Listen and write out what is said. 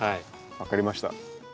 分かりました。